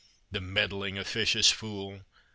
" The meddling, officious fool !